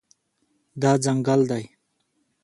دا ځنګل دی